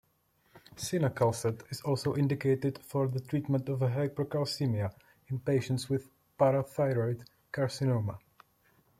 Cinacalcet is also indicated for the treatment of hypercalcemia in patients with parathyroid carcinoma.